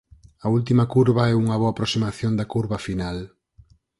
A última curva é unha boa aproximación da curva final.